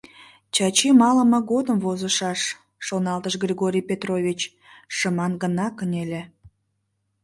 «Чачи малыме годым возышаш», — шоналтыш Григорий Петрович, шыман гына кынеле.